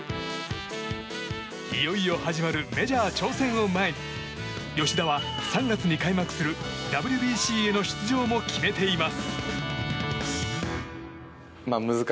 いよいよ始まるメジャー挑戦を前に吉田は３月に開幕するＷＢＣへの出場も決めています。